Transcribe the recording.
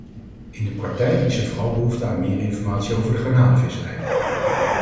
In de praktijk is er vooral behoefte aan meer informatie over de garnalenvisserij.